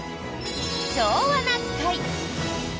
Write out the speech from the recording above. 「昭和な会」。